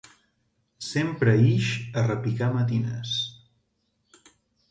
Sempre ix a repicar matines.